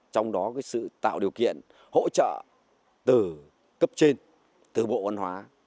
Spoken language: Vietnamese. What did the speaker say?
trong đó sự tạo điều kiện hỗ trợ từ cấp trên từ bộ văn hóa